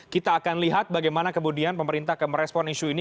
kita akan lihat bagaimana kemudian pemerintah akan merespon isu ini